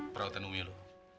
perawatan umi lu